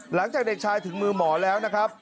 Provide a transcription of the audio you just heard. หลังจากเด็กชายถึงมือหมอแล้วนะครับ